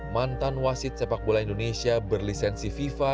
mantan wasit sepak bola indonesia berlisensi fifa